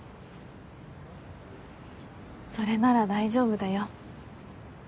それなら大丈夫だよ